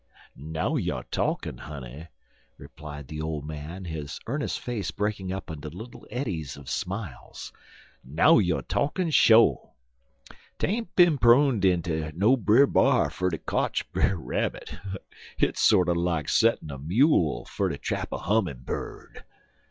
"Now you talkin', honey," replied the old man, his earnest face breaking up into little eddies of smiles "now you talkin' sho. 'Tain't bin proned inter no Brer B'ar fer ter kotch Brer Rabbit. Hit sorter like settin' a mule fer ter trap a hummin' bird.